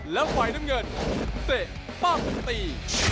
แล้วฝ่ายน้ำเงินเตะปั้งตี